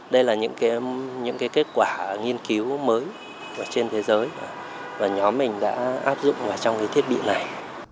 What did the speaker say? đây là những kết quả nghiên cứu mới trên thế giới và nhóm mình đã áp dụng vào trong thiết bị này